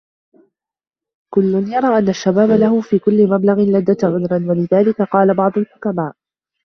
كُلٌّ يَرَى أَنَّ الشَّبَابَ لَهُ فِي كُلِّ مَبْلَغِ لَذَّةٍ عُذْرَا وَلِذَلِكَ قَالَ بَعْضُ الْحُكَمَاءِ